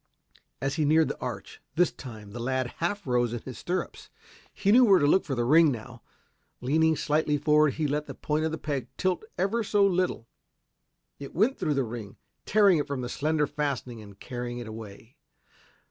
As he neared the arch, this time, the lad half rose in his stirrups. He knew where to look for the ring now. Leaning slightly forward he let the point of the peg tilt ever so little. It went through the ring, tearing it from its slender fastening and carrying it away.